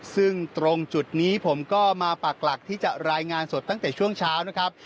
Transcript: ซึ่งตรงจุดนี้ผมก็มาปากหลักที่จะรายงานสดตั้งแต่ช่วงเช้านะครับ